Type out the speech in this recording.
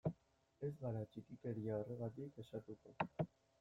Ez gara txikikeria horregatik kexatuko.